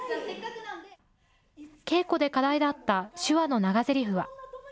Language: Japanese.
稽古で課題だった手話の長ぜりふは。